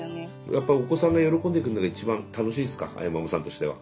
やっぱお子さんが喜んでくれるのが一番楽しいっすかあやままさんとしては。